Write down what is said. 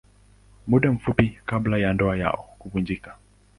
Muda mfupi kabla ya ndoa yao kuvunjika.